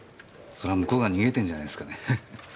それは向こうが逃げてんじゃないすかね。